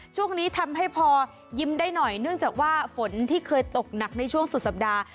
ช่วงนี้ทำให้พอยิ้มได้หน่อยเนื่องจากว่าฝนที่เคยตกหนักในช่วงสุดสัปดาห์